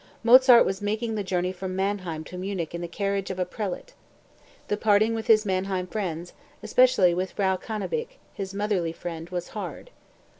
Mozart was making the journey from Mannheim to Munich in the carriage of a prelate. The parting with his Mannheim friends, especially with Frau Cannabich, his motherly friend, was hard.